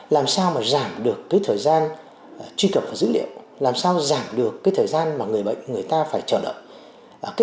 làm sao giảm được thời gian truy cập dữ liệu làm sao giảm được thời gian người bệnh phải chờ đợi